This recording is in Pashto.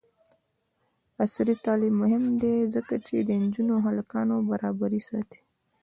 عصري تعلیم مهم دی ځکه چې د نجونو او هلکانو برابري ساتي.